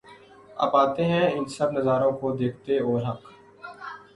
اب آتے ہیں ان سب نظاروں کو دیکھتے اور حق